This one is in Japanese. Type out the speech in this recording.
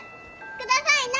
「くださいな」